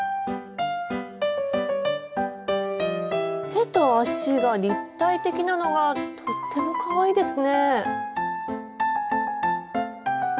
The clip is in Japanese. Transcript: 手と足が立体的なのがとってもかわいいですね！